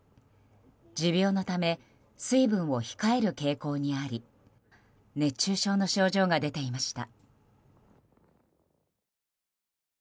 持病のため水分を控える傾向にあり熱中症の症状が出ていました。